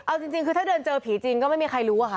เอาจริงคือถ้าเดินเจอผีจริงก็ไม่มีใครรู้อะค่ะ